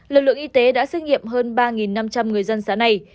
lực lượng y tế đã xét nghiệm hơn ba năm trăm linh người dân xã này